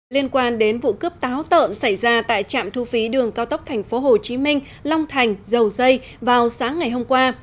liên quan đến vụ cướp táo tợn xảy ra tại trạm thu phí đường cao tốc thành phố hồ chí minh long thành dầu dây vào sáng ngày hôm qua